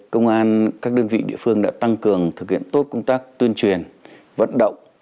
công an các đơn vị địa phương đã tăng cường thực hiện tốt công tác tuyên truyền vận động